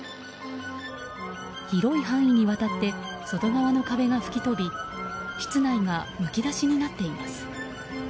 広い範囲にわたって外側の壁が吹き飛び室内がむき出しになっています。